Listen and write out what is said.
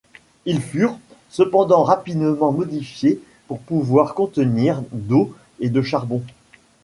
Ils furent, cependant, rapidement modifiés pour pouvoir contenir d'eau et de charbon.